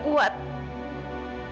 kamu harus kuat